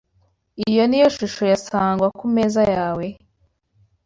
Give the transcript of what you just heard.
Iyo niyo shusho ya Sangwa kumeza yawe?